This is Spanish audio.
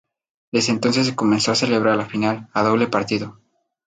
Desde entonces se comenzó a celebrar la final, a doble partido.